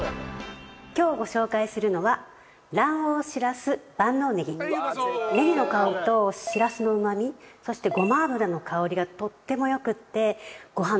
今日ご紹介するのはネギの香りとしらすのうまみそしてごま油の香りがとっても良くって。